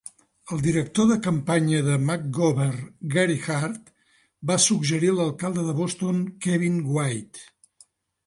El director de campanya de McGovern, Gary Hart, va suggerir l'alcalde de Boston Kevin White.